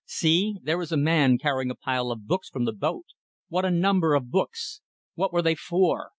See! There is a man carrying a pile of books from the boat! What a number of books. What were they for?